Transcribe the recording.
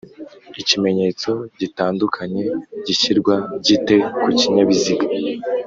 ikimenyetso gitandukanye gishyirwa gite ku kinyabiziga?